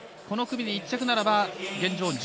この組で１着ならば現状